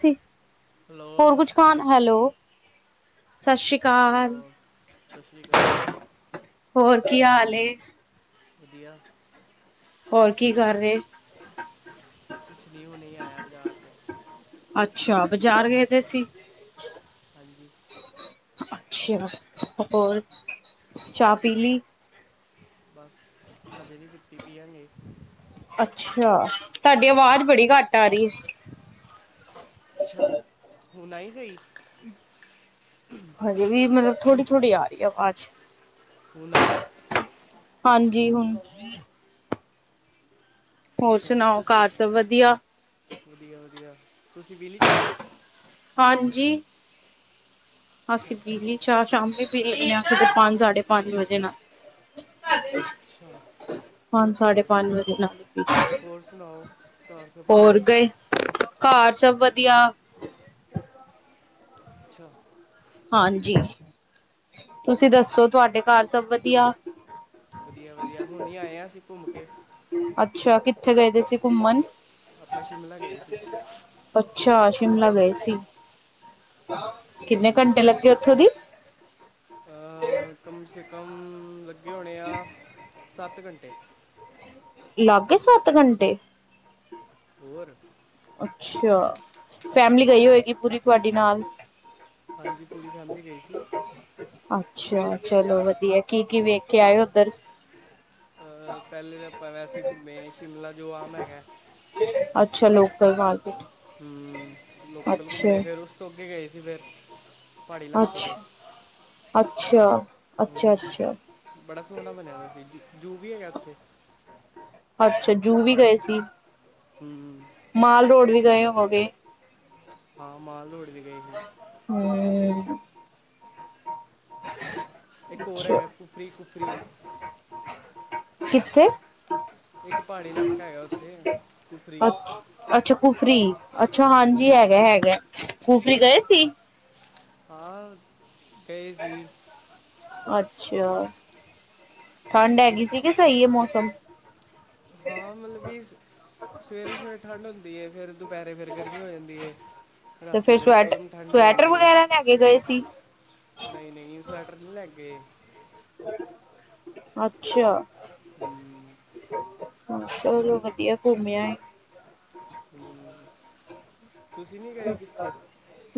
ਸੀ hello ਹੋਰ ਕੁਛ ਖਾਣ ਹੈਲੋ ਸਤਿ ਸ਼੍ਰੀ ਹੈਲੋ ਅਕਾਲ, ਸਤਿ ਸ਼੍ਰੀ ਅਕਾਲ ਹੋਰ ਕੀ ਹਾਲ ਏ? ਕੀ ਆ ਹੋਰ ਕੀ ਕਰ ਰਹੇ। ਕੁਛ ਨਹੀਂ ਹੁਣੇ ਆਇਆ ਬਜ਼ਾਰ ਤੋਂ ਅੱਛਾ ਬਜ਼ਾਰ ਗਏ ਦੇ ਸੀ। ਹਾਂਜੀ ਅੱਛਾ ਹੋਰ ਚਾਹ ਪੀ ਲੀ? ਬਸ ਹਜੇ ਵੀ ਦਿੱਤੀ ਪੀਆਂਗੇ। ਅੱਛਾ ਤੁਹਾਡੀ ਆਵਾਜ਼ ਬੜੀ ਘੱਟ ਆ ਰਹੀ ਹੈ। ਅੱਛਾ ਹੁਣ ਆਈ ਸਹੀ ਹਜੇ ਵੀ ਮਤਲਬ ਥੋੜੀ ਥੋੜ੍ਹੀ ਆ ਰਹੀ ਹੈ ਆਵਾਜ਼ ਹੁਣ ਆਈ? ਹਾਂਜੀ ਹੁਣ ਹੋਰ ਅੱਛਾ ਸੁਣਾਓ ਤੁਸੀਂ ਘਰ ਸਭ ਵਧੀਆ ਵਧੀਆ ਵਧੀਆ ਤੁਸੀਂ ਪੀ ਲੀ ਚਾਹ? ਹਾਂਜੀ ਅੱਛਾ ਅਸੀਂ ਪੀ ਲੀ ਚਾਹ ਸ਼ਾਮੀ ਪੀ ਲੈਨੇ ਆ ਪੰਜ ਸਾਢੇ ਪੰਜ ਵਜੇ ਨਾਲ ਅੱਛਾ ਪੰਜ ਸਾਢੇ ਪੰਜ ਵਧੀਆ ਵਜੇ ਨਾਲ ਹੋਰ ਸੁਣਾਓ ਘਰ ਸਭ ਠੀਕ ਹੋਰ ਗਏ। ਘਰ ਸਭ ਵਧੀਆ ਅੱਛਾ ਹਾਂਜੀ ਤੁਸੀਂ ਦੱਸੋ ਤੁਹਾਡੇ ਘਰ ਸਭ ਵਧੀਆ। ਵਧੀਆ ਵਧੀਆ ਹੁਨੇ ਆਏ ਹਾਂ ਅਸੀਂ ਘੁੰਮ ਕੇ ਅੱਛਾ ਕਿੱਥੇ ਗਏ ਦੇ ਸੀ ਘੁੰਮਣ ਆਪਾਂ ਸ਼ਿਮਲਾ ਗਏ ਸੀ ਅੱਛਾ ਸ਼ਿਮਲਾ ਗਏ ਸੀ ਕਿੰਨੇ ਹੂੰ ਘੰਟੇ ਲੱਗੇ ਉੱਥੋਂ ਦੀ ਅ ਕਮ ਸੇ ਕਮ ਲੱਗੇ ਹੋਣੇ ਆ ਸੱਤ ਘੰਟੇ ਲਾਗ ਗਏ ਸੱਤ ਘੰਟੇ ਹੋਰ ਅੱਛਾ ਫੈਮਲੀ ਗਈ ਹੋਏਗੀ ਪੂਰੀ ਤੁਹਾਡੇ ਨਾਲ ਹਾਂਜੀ ਪੂਰੀ ਫੈਮਿਲੀ ਗਈ ਸੀ। ਅੱਛਾ ਚਲੋ ਵਧੀਆ ਕੀ ਕੀ ਵੇਖ ਕੇ ਆਏ ਉੱਧਰ ਅ ਪਹਿਲੇ ਤਾਂ ਆਪਾਂ ਵੈਸੇ ਘੁੰਮੇ ਸ਼ਿਮਲਾ ਜੋ ਆਮ ਹੈਗਾ। ਅੱਛਾ ਲੋਕਲ ਮਾਰਕੀਟ ਹਮ, ਲੋਕਲ ਅੱਛਾ, ਘੁੰਮੇ ਫਿਰ ਉਸ ਤੋਂ ਅੱਗੇ ਗਏ ਸੀ ਫਿਰ ਪਹਾੜੀ ਅੱਛ, ਇਲਾਕੇ ਤੇ ਅੱਛਾ, ਅੱਛਾ ਹਮ, ਹਮ। ਅੱਛਾ ਬੜਾ ਸੋਹਣਾ ਬਣਿਆ ਦਾ ਸੀ, ਜੂ ਵੀ ਹੈਗਾ ਉੱਥੇ ਅੱਛਾ, ਜੂ ਵੀ ਗਏ ਸੀ। ਹਮ। ਮਾਲ ਰੋਡ ਵੀ ਗਏ ਹੋਵੋਗੇ? ਹਾਂ, ਮਾਲ ਰੋਡ ਵੀ ਗਏ ਸੀ। ਹਮ। ਇੱਕ ਹੋਰ ਅੱਛਾ। ਹੈਗਾ ਕੁਫਰੀ ਕੁਫਰੀ ਕਿਥੇ? ਇੱਕ ਪਹਾੜੀ ਇਲਾਕਾ ਹੈਗਾ ਉੱਥੇ, ਕੁਫਰੀ ਅ ਅੱਛਾ ਕੁਫਰੀ, ਅੱਛਾ ਹਾਂਜੀ ਹਮ ਹੈਗਾ ਹੈਗਾ, ਕੁਫਰੀ ਗਏ ਸੀ? ਹਾ ਗਏ ਸੀ। ਅੱਛਾ, ਠੰਡ ਹਮ ਹੈਗੀ ਸੀ ਕਿ ਸਹੀ ਹੈ ਮੌਸਮ? ਹਾਂ ਮਤਲਬ ਵੀ, ਸਵੇਰੇ ਸਵੇਰੇ ਠੰਢ ਹੁੰਦੀ ਹੈ, ਫੇਰ ਦੁਪਹਿਰੇ ਫਿਰ ਗਰਮੀ ਹੋ ਜਾਂਦੀ ਹੈ, ਤੇ ਰਾਤੀ ਫਿਰ ਸਵੈਟ ਇਕਦਮ ਠੰਡ ਹੋ ਸਵੈਟਰ ਜਾਂਦੀ ਹੈ। ਵਗੈਰਾ ਲੈ ਕੇ ਗਏ ਸੀ? ਨਹੀਂ ਨਹੀਂ, ਸਵੈਟਰ ਨਹੀਂ ਲੈ ਕੇ ਗਏ। ਅੱਛਾ। ਹਮ। ਚਲੋ ਵਧੀਆ, ਘੁੰਮਿ ਆ ਏ। ਹਮ, ਤੁਸੀਂ ਨੀ ਗਏ ਕਿੱਥੇ?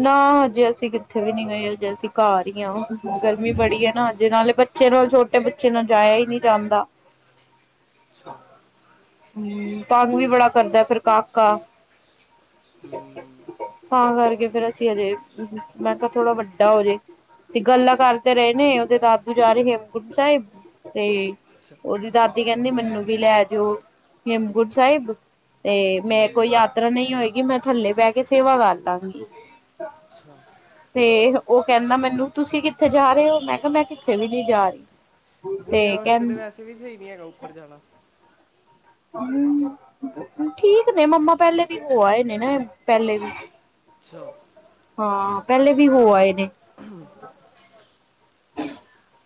ਨਾ ਹਜੇ ਅਸੀਂ ਕਿੱਥੇ ਵੀ ਨੀ ਗਏ, ਹਜੇ ਅਸੀਂ ਘਰ ਹੀ ਹਾਂ, ਗਰਮੀ ਬੜੀ ਆ ਨਾ ਹਜੇ ਨਾਲੇ ਬੇ ਬੱਚੇ ਨਾਲ, ਛੋਟੇ ਬੱਚੇ ਨਾਲ ਜਾਇਆ ਹੀ ਨਹੀਂ ਜਾਂਦਾ। ਅੱਛਾ। ਹਮ, ਤੰਗ ਵੀ ਬੜਾ ਕਰਦਾ ਫੇਿਰ ਕਾਕਾ ਹਮ। ਤਾਂ ਕਰਕੇ ਫੇਿਰ ਅਸੀਂ ਹਜੇ, ਮੈਂ ਕਿਹਾ ਥੋੜਾ ਵੱਡਾ ਹੋਜੇ ਤੇ ਗੱਲਾਂ ਕਰਦੇ ਰਹੇ ਨੇ, ਉਹਦੇ ਦਾਦੂ ਜਾ ਰਹੇ ਹੇਮਕੁੰਟ ਸਾਹਿਬ ਤੇ ਅੱਛਾ ਉਹਦੀ ਦਾਦੀ ਕਹਿੰਦੀ ਮੈਨੂੰ ਵੀ ਲੈ ਜਾਓ, ਹੇਮਕੁੰਟ ਸਾਹਿਬ ਤੇ ਮੈਂ ਕੋਈ ਹਮ, ਯਾਤਰਾ ਨਹੀਂ ਹੋਏਗੀ, ਮੈਂ ਥੱਲੇ ਬਹਿ ਕੇ ਸੇਵਾ ਕਰਦਾਂਗੀ। ਅੱਛਾ ਤੇ ਉਹ ਕਹਿੰਦਾ ਮੈਨੂੰ, ਤੁਸੀਂ ਕਿੱਥੇ ਜਾ ਰਹੇ ਹੋ, ਮੈਂ ਕਿਹਾ ਮੈਂ ਕਿੱਥੇ ਵੀ ਨਹੀਂ ਜਾ ਰਹੀ। ਤੇ ਬੁੱਢਿਆਂ ਵਾਸਤੇ ਤਾਂ ਕਹਿੰ ਵੈਸੇ ਵੀ ਸਹੀ ਨਹੀਂੀ ਹੈਗਾ ਉੱਪਰ ਜਾਣਾ ਹਮ, ਠੀਕ ਨੇ ਮੰਮਾ ਪਹਿਲੇ ਦੀ ਹੋ ਆਏ ਨੇ ਨਾ, ਪਹਿਲੇ ਵੀ ਛ [inaudible] ਹਾਂ, ਪਹਿਲੇ ਵੀ ਹੋ ਆਏ ਨੇ। ਹੂ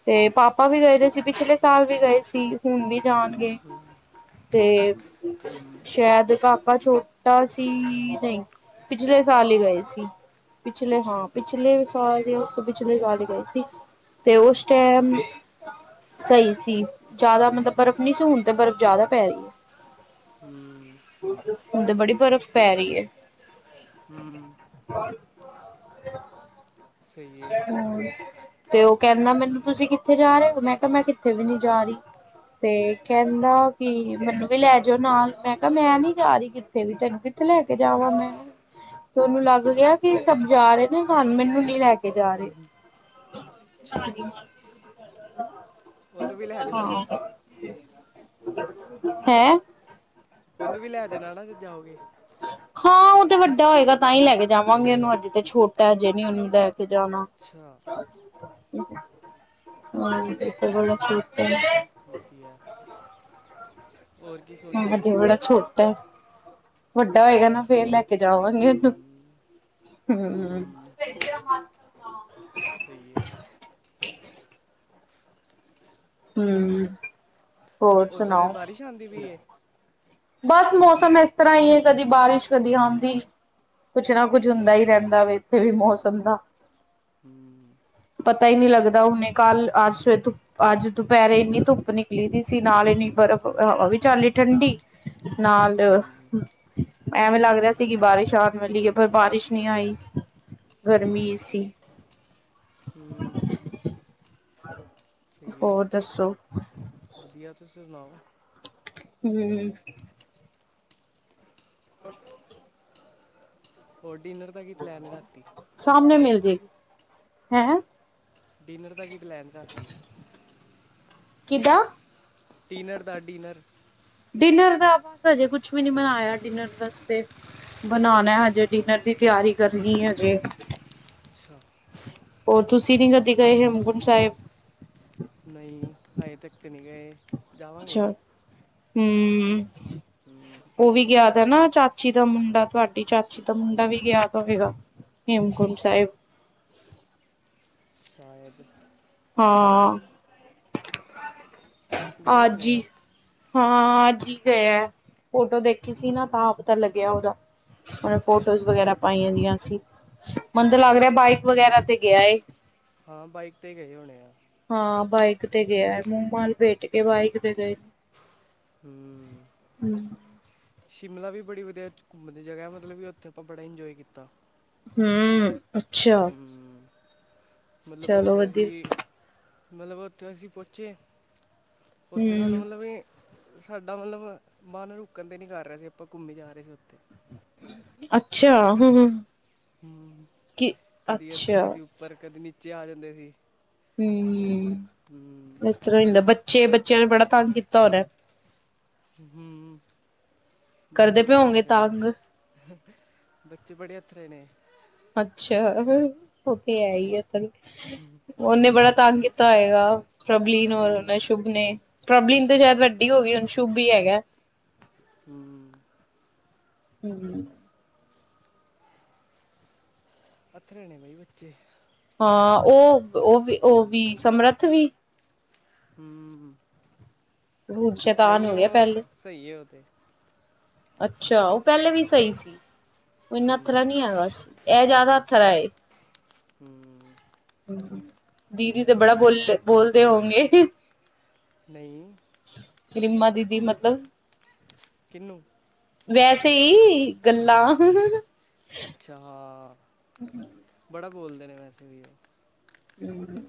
ਤੇ ਪਾਪਾ ਵੀ ਗਏ ਦੇ ਸੀ, ਪਿਛਲੇ ਸਾਲ ਵੀ ਗਏ ਸੀ, ਹੁਣ ਵੀ ਜਾਣਗੇ। ਹੂੰ। ਤੇ ਸ਼ਾਇਦ ਕਾਕਾ ਛੋਟਾ ਸੀ, ਨਹੀਂ ਪਿਛਲੇ ਸਾਲ ਹੀ ਗਏ ਸੀ। ਪਿਛਲੇ ਹਾਂ ਅੱਛਾ ਪਿਛਲੇ ਸਾਲ, ਉਸ ਤੋਂ ਪਿਛਲੇ ਸਾਲ ਹੀ ਗਏ ਸੀ। ਤੇ ਉਸ ਟੈਮ ਸਹੀ ਸੀ, ਜ਼ਿਆਦਾ ਮਤਲਬ ਬਰਫ਼ ਨਹੀਂ ਸੀ ਹੁਣ ਤੇ ਬਰਫ਼ ਜ਼ਿਆਦਾ ਪੈ ਰਹੀ ਐ। ਹੂੰ। ਹੁਣ ਤੇ ਬੜੀ ਬਰਫ਼ ਪੈ ਰਈ ਐ। ਹਮ, ਸਹੀ ਹੈ ਹੂੰ ਤੇ ਉਹ ਕਹਿੰਦਾ ਮੈਨੂੰ ਤੁਸੀਂ ਕਿੱਥੇ ਜਾ ਰਹੇ ਹੋ? ਮੈਂ ਕਿਹਾ ਮੈਂ ਕਿੱਥੇ ਵੀ ਨੀ ਜਾ ਰੀ। ਤੇ ਕਹਿੰਦਾ ਕਿ ਮੈਨੂੰ ਵੀ ਲੈ ਜਾਓ ਨਾਲ, ਮੈਂ ਕਾ ਮੈਂ ਨੀ ਜਾ ਰੀ ਕਿ ਤੇ ਵੀ, ਤੈਨੂੰ ਕਿਥੇ ਲੈ ਕੇ ਜਾਵਾਂ ਮੈਂ? ਤੁਹਾਨੂੰ ਲੱਗ ਗਿਆ, ਕਿ ਸਭ ਜਾ ਰਹੇ ਨੇ ਸਾਨ ਮੈਨੂੰ ਨੀ ਲੈ ਕੇ ਜਾ ਰੈ [inaudible] ਅੱਛਾ ਉਹਨੂੰ ਵੀ ਲੈ ਜਾਓ ਫਿਰ ਹਾਂ, ਹੈਂ? ਉਹਨੂੰ ਵੀ ਲੈ ਦੇਣਾ ਨਾ ਜਾਓਗੇ। ਹਾਂ ਉਹ ਤੇ ਵੱਡਾ ਹੋਏਗਾ, ਤਾਂ ਹੀ ਲੈ ਕੇ ਜਾਵਾਂਗੇ ਉਹਨੂੰ, ਹਜੇ ਤੇ ਛੋਟਾ ਐ, ਤਾਂ ਹਜੇ ਨੀ ਉਹਨੂੰ ਲੈ ਕੇ ਜਾਣਾ। ਅੱਛਾ ਹਾਂ ਤੇ ਬੜਾ ਛੋਟਾ। ਕੀ-ਕੀ ਐ? ਹਾਂ। ਹਜੇ ਬੜਾ ਛੋਟਾ ਐ, ਵੱਡਾ ਹੋਏਗਾ ਨਾ ਫੇਰ ਲੈ ਕੇ ਜਾਵਾਂਗੇ ਉਹਨੂੰ, ਹੂੰ ਹੂੰ। ਸਈ ਐ। ਹੂੰ। ਹੋਰ ਉੱਧਰ ਸੁਣਾਓ? ਬਾਰਿਸ਼ ਆਂਦੀ ਪਈ ਐ? ਬਸ ਮੌਸਮ ਇਸ ਤਰ੍ਹਾਂ ਹੀ ਐ, ਕਦੀ ਬਾਰਿਸ਼ ਕਦੀ ਆਂਦੀ। ਕੁਛ ਨਾ ਕੁਛ ਹੁੰਦਾ ਹੀ ਅੱਛਾ ਰਹਿੰਦਾ ਵੇ, ਇੱਥੇ ਵੀ ਮੌਸਮ ਦਾ। ਹੂੰ। ਪਤਾ ਈ ਨੀ ਲੱਗਦਾ, ਹੁਣੇ ਕੱਲ੍ਹ ਅਰਸ ਧੂ ਅੱਜ ਦੁਪਹਿਰੇ ਇੰਨੀ ਧੁੱਪ ਨਿਕਲੀ ਦੀ ਸੀ, ਨਾਲ ਇੰਨੀ ਬਰਫ਼ ਹਵਾ ਵੀ ਚੱਲੀ ਠੰਢੀ। ਨਾਲ ਹੂੰ ਐਵੇਂ ਲੱਗ ਰਿਹਾ ਸੀ, ਕਿ ਬਾਰਿਸ਼ ਆਉਣ ਵਾਲੀ ਐ, ਪਰ ਬਾਰਿਸ਼ ਨਹੀਂ ਆਈ ਗਰਮੀ ਈ ਸੀ। ਹੂੰ। ਸਹੀ ਹੈ ਹੋਰ ਦੱਸੋਂ? ਵਧੀਆ, ਤੁਸੀਂ ਸੁਣਾਓ? ਹੂੰ। [inaudible] ਹੋਰ, ਡਿਨਰ ਦਾ ਕੀ ਪਲੈਨ ਰਾਤੀ? ਸਾਮਣੇ ਮਿਲ ਜੇ, ਹੈਂ? ਡਿਨਰ ਦਾ ਕੀ ਪਲੈਨ ਰਾਤੀਂ। ਕਿਦਾਂ? ਡਿਨਰ ਦਾ ਡਿਨਰ। ਡਿਨਰ ਦਾ ਬਸ ਹਜੇ ਕੁਛ ਵੀ ਨੀ ਬਨਾਇਆ ਡਿਨਰ ਵਾਸਤੇ। ਬਣਾਉਨਾ ਹਜੇ ਡਿਨਰ ਦੀ ਤਿਆਰੀ ਕਰਨੀ ਐ ਹਜੇ। ਅੱਛਾ ਹੋਰ ਤੁਸੀਂ ਨੀ ਕਦੇ ਗਏ, ਹੇਮਕੁੰਟ ਸਾਹਿਬ? ਨਈ, ਹਜੇ ਤੱਕ ਤਾਂ ਨੀ ਗਏ। ਜਾਵਾਂਗੇ ਅੱਛਾ, ਹੂੰ। ਹੂੰ ਉਹ ਵੀ ਗਿਆ ਤਾਂ ਨਾ ਚਾਚੀ ਦਾ ਮੁੰਡਾ ਤੁਹਾਡੀ ਚਾਚੀ ਦਾ ਮੁੰਡਾ ਵੀ ਗਿਆ ਹੋਵੇਗਾ ਹੇਮਕੁੰਟ ਸਾਹਿਬ। ਸ਼ਾਇਦ ਪਤਾ ਹਾਂ, ਨਹੀਂ ਗਏ ਅੱਜ ਹੋਣੇ ਈ ਆ ਹਾਂ, ਅੱਜ ਹੀ ਗਏ ਆ ਫੋਟੋ ਦੇਖੀ ਸੀ, ਨਾ ਤਾਂ ਹੂੰ ਪਤਾ ਲੱਗਿਆ ਉਹਦਾ ਫੋਟੋਜ਼ ਅੱਛਾ ਵਗੈਰਾ ਪਾਈਆਂ ਦੀਆਂ ਸੀ, ਮੰਦ ਲੱਗ ਹੂੰ ਰਿਹਾ ਬਾਈਕ ਵਗੈਰਾ ਤੇ ਗਿਆ ਏ। ਹਾਂ ਬਾਈਕ ਤੇ ਗਏ ਹੋਣੇ ਆ। ਹਾਂ ਬਾਈਕ ਤੇ ਗਿਆ ਹੈ ਮੂੰਹ ਮਾ ਲਪੇਟ ਕੇ ਬਾਈਕ ਤੇ ਗੇ ਨੇ। ਹੂੰ ਸ਼ਿਮਲਾ ਵੀ ਬੜੀ ਵਧੀਆ ਘੁੰਮਣ ਦੀ ਜਗ੍ਹਾ ਵਾ ਮਤਲਬ ਵੀ ਉੱਥੇ ਆਪਾਂ ਬੜਾ ਇੰਜੋਏ ਕੀਤਾ। ਹੂੰ ਅੱਛਾ। ਹੂੰ, ਮਤਲਬ ਚਲੋ ਉੱਥੇ ਵਧੀਆ। ਅਸੀ ਮਤਲਬ ਉੱਥੇ ਅਸੀਂ ਪਹੁੰਚੇ, ਉੱਥੇ ਸਾਨੂੰ ਹੂੰ। ਮਤਲਬ ਕਿ ਸਾਡਾ ਮਤਲਬ ਮਨ ਰੁਕਣ ਤੇ ਨਹੀਂ ਜਾ ਰਿਹਾ ਸੀ ਆਪਾਂ ਘੁੰਮੀ ਜਾ ਰਹੇ ਸੀ ਉੱਥੇ ਅੱਛਾ ਹੂੰ ਹੂੰ, ਕੀ ਕਦੀ ਇੱਥੇ ਅੱਛਾ ਕਦੀ ਉੱਪਰ ਕਦੀ ਨੀਚੇ ਆ ਜਾਂਦੇ ਸੀ। ਹੂੰ, ਹਮ, ਇਸ ਤਰ੍ਹਾਂ ਹੁੰਦਾ ਬੱਚੇ-ਬੱਚਿਆਂ ਨੇ ਬੜਾ ਤੰਗ ਕੀਤਾ ਹੋਣਾ। ਹੂੰ, ਕਰਦੇ ਬੱਚੇ ਪਏ ਬੜੇ ਹੋਂਗੇ ਅੱਥਰੇ ਨੇ। ਤੰਗ ਬੱਚੇ ਬੜੇ ਅੱਥਰੇ ਨੇ। ਅੱਛਾ, ਉਹ ਤੇ ਹੈ ਹੀ ਆ ਫੇਰ। ਹਮ, ਉਹਨੇ ਬੜਾ ਤੰਗ ਕੀਤਾ ਹੌਏਗਾ ਪ੍ਰਬਲੀਨ ਔਰ ਹਮ, ਉਨੇ ਸ਼ੁਭ ਨੇ, ਪ੍ਰੋਬਲਨ ਤਾਂ ਸ਼ਾਇਦ ਵੱਡੀ ਹੋ ਗਈ ਹੁਣ ਸ਼ੁਭ ਹੀ ਹੈਗਾ। ਹੂੰ ਹੂੰ-ਹੂੰ ਅੱਥਰੇ ਨੇ ਬਾਈ ਬੱਚੇ। ਹਾਂ ਉਹ -ਉਹ ਵੀ ਉਹ ਵੀ ਸਮਰੱਥ ਵੀ ਹੂੰ ਬੋਤ ਸੈ਼ਤਾਨ ਹੋ ਗਿਆ ਉਹ ਪਹਿਲੇ ਸਹੀ ਹੈ ਉਹ ਤੇ ਅੱਛਾ ਉਹ ਪਹਿਲੇ ਵੀ ਸਹੀ ਸੀ, ਉਹ ਇੰਨਾ ਅੱਥਰਾ ਹਮ, ਨੀ ਹੈਗਾ ਸੀ। ਓ ਜ਼ਿਆਦਾ ਅੱਥਰਾ ਏ। ਹੂੰ ਹੂੰ, ਦੀਦੀ ਤੇ ਬੜਾ ਬੋਲ ਬੋਲਦੇ ਹੋਣਗੇ। ਨਈ। ਰਿੰਮਾ ਦੀਦੀ ਮਤਲਬ ਕਿੰਨੂੰ ਵੈਸੇ ਈ ਗੱਲਾਂ। ਅੱਛਾ ਹਾਂ, ਬੜਾ ਬੋਲਦੇ ਨੇ ਵੈਸੇ ਵੀ ਉਹ ਹੂੰ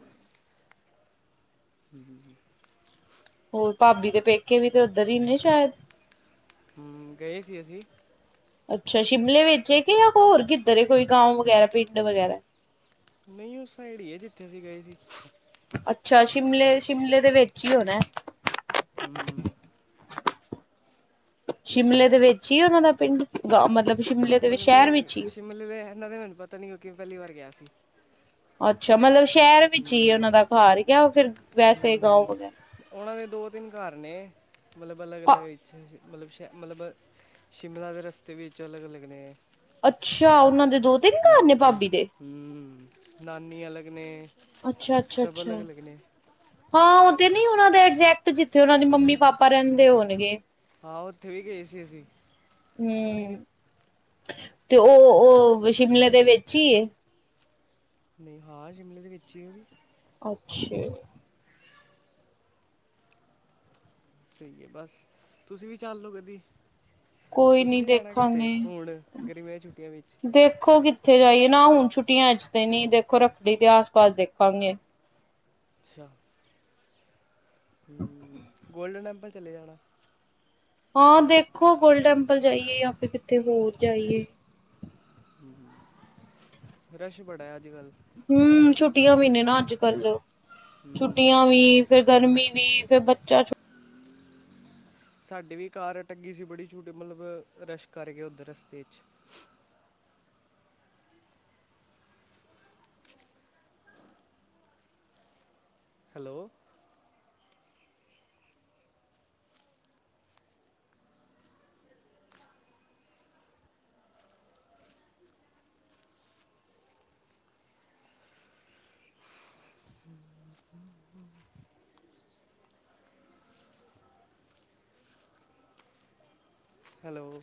ਹੂੰ ਹੋਰ ਭਾਬੀ ਦੇ ਪੇਕੇ ਵੀ ਤੇ ਉੱਧਰ ਨੀ ਨੇ ਸ਼ਾਇਦ। ਹੂੰ ਗਏ ਸੀ ਅਸੀਂ। ਅੱਛਾ ਸ਼ਿਮਲੇ ਵਿੱਚ ਹੈ ਕਿ ਜਾਂ ਹੋਰ ਕਿੱਧਰ ਹੈ ਕੋਈ ਗਾਉ ਵਗੈਰਾ ਪਿੰਡ ਵਗੈਰਾ? ਨਹੀਂ ਉਸ ਸਾਈਡ ਈ ਏ ਜਿੱਥੇ ਅਸੀਂ ਗਏ ਸੀ। ਅੱਛਾ ਸ਼ਿਮਲੇ- ਸ਼ਿਮਲੇ ਦੇ ਵਿੱਚ ਹੀ ਹੋਣਾ ਐ। ਹੂੰ। ਸ਼ਿਮਲੇ ਦੇ ਵਿੱਚ ਹੀ ਉਨਾਂ ਦਾ ਪਿੰਡ? ਗ ਮਤਲਬ ਸਿਮਲੇ ਤੇ ਸ਼ਹਿਰ ਵਿੱਚ ਈ ਏ। [unintelligible] ਇਨਾਂ ਤੇ ਮੈਨੂੰ ਪਤਾ ਨੀ ਕਿਉਂਕਿ ਮੈਂ ਪਹਿਲੀ ਵਾਰ ਗਿਆ ਸੀ। ਅੱਛਾ ਮਤਲਬ ਸ਼ਹਿਰ ਵਿੱਚ ਈ ਐ ਹਮ ਉਹਨਾਂ ਦਾ ਘਰ ਕਿਉ ਫਿਰ ਵੈਸੇ ਗਾਓ ਵਗੈਰਾ। ਉਨਾਂ ਦੇ ਦੋ- ਤਿੰਨ ਘਰ ਨੇ, ਮਤਲਬ ਅਲੱਗ-ਅਲੱਗ ਇੱਛੇ। ਮਤਲਬ ਸ਼ ਮਤਲਬ ਸ਼ਿਮਲਾ ਦੇ ਰਸਤੇ ਵਿੱਚ ਅਲੱਗ-ਅਲੱਗ ਨੇ। ਅੱਛਾ ਉਹਨਾਂ ਦੇ ਦੋ ਤਿੰਨ ਘਰ ਨੇ ਭਾਬੀ ਦੇ ਹੂੰ-ਹੂੰ ਨਾਨੀ ਅਲੱਗ ਨੇ। ਸਭ ਅੱਛਾ-ਅੱਛਾ-ਅੱਛਾ ਅਲੱਗ ਅਲੱਗ ਨੇ ਹਾਂ ਓ ਤੇ ਨੀ ਉਹਨਾਂ ਦਾ ਐਗਜੈਕਟ ਜਿੱਥੇ ਉਹਨਾਂ ਦੀ ਮੰਮੀ ਪਾਪਾ ਰੈਂਦੇ ਹੋਣਗੇ। ਹਾਂ ਉੱਥੇ ਵੀ ਗਏ ਸੀ ਅਸੀਂ ਹੂੰ ਤੇ ਓ-ਓ ਸ਼ਿਮਲੇ ਦੇ ਵਿੱਚ ਈ ਏ। ਨਈ ਹਾਂ ਸ਼ਿਮਲੇ ਦੇ ਵਿੱਚ ਈ ਆ। ਅੱਛਾ ਸਈ ਹੈ ਬਸ ਤੁਸੀਂ ਵੀ ਚੱਲ ਲਓ ਕਦੀ ਕੋਈ ਤੁਸੀਂ ਨੀ ਨਈ ਜਾਣਾ ਕਿੱਥੇ ਦੇਖਾਂਗੇ ਹੁਣ ਗਰਮੀਆਂ ਛੁੱਟੀਆਂ ਵਿੱਚ ਦੇਖੋ ਕਿ ਕਿੱਥੇ ਜਾਈਏ ਨਾ ਹੁਣ ਛੁੱਟੀਆਂ ਜ ਤੇ ਨੀ ਦੇਖੋ ਰੱਖੜੀ ਦੇ ਆਸ ਪਾਸ ਦੇਖਾਂਗੇ। ਅੱਛਾ ਗੋਲਡਨ ਟੈਂਪਲ ਚਲੇ ਜਾਣਾ। ਹਾਂ ਦੇਖੋ ਗੋਲਡ ਟੈਂਪਲ ਜਾਈਏ ਜਾਂ ਫਿਰ ਕਿਤੇ ਹੋਰ ਜਾਈਏ। ਰਸ਼ ਬੜਾ ਹੈ ਅੱਜ ਕੱਲ੍ਹ ਹੂੰ ਛੁੱਟੀਆਂ ਵੀ ਨੇ ਨਾ ਅੱਜ ਕੱਲ ਹੂੰ ਛੁੱਟੀਆਂ ਵੀ ਫਿਰ ਗਰਮੀ ਵੀ ਫਿਰ ਬੱਚਾ ਸਾਡੀ ਵੀ ਕਾਰ ਅਟੱਕ ਗੀ ਸੀ ਬੜੀ ਛੋਟੀ ਮਤਲਬ ਰਸ਼ ਕਰਕੇ ਉੱਧਰ ਰਸਤੇ 'ਚ ਹੈਲੋ ਹੈਲੋ